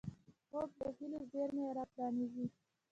خوب د هیلو زېرمې راپرانيزي